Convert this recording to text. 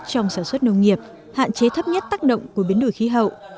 trong sản xuất nông nghiệp hạn chế thấp nhất tác động của biến đổi khí hậu